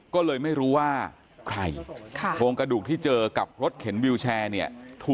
ก็เลยไม่รู้ว่าใครโครงกระดูกที่เจอกับรถเข็นวิวแชร์เนี่ย